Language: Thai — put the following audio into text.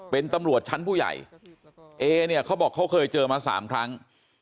เป็นตำรวจชั้นผู้ใหญ่เอเนี่ยเขาบอกเขาเคยเจอมาสามครั้ง